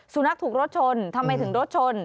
สุนัขถูกรถชนทำไมถึงรถชน